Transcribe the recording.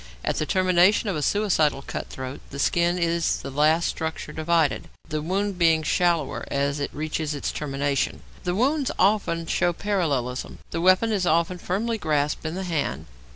At the termination of a suicidal cut throat the skin is the last structure divided, the wound being shallower as it reaches its termination; the wounds often show parallelism. The weapon is often firmly grasped in the hand.